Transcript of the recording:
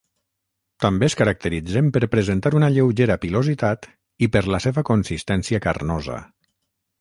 També es caracteritzen per presentar una lleugera pilositat i per la seva consistència carnosa.